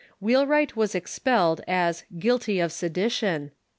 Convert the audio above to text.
Wheelwright was expelled as "guilty of sedition."